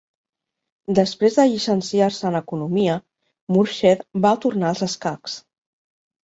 Després de llicenciar-se en Economia, Murshed va tornar als escacs.